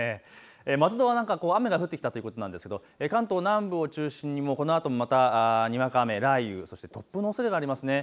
松戸は雨が降ってきたということですが関東南部を中心にこのあともにわか雨、雷雨、そして突風のおそれがあります。